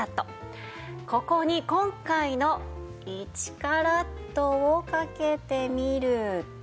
ここに今回の１カラットをかけてみると。